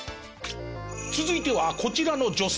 続いてはこちらの女性。